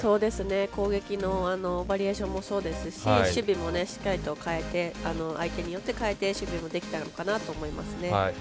攻撃のバリエーションもそうですし守備もしっかりと相手によって変えて守備もできたのかなと思いますね。